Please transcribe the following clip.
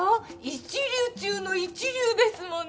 一流中の一流ですもの。